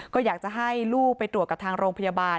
ก็อยากจะให้ลูกไปตรวจกับทางโรงพยาบาล